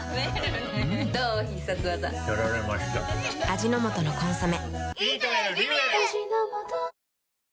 味の素の「コンソメ」